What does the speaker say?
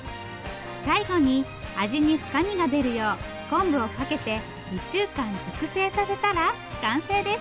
最後に味に深みが出るよう昆布をかけて１週間熟成させたら完成です。